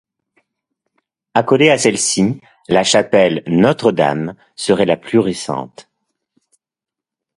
Accolée à celle-ci, la chapelle Notre-Dame, serait la plus récente.